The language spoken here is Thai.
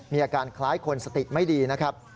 มีอาการคล้ายคนสติไม่ดีนะครับ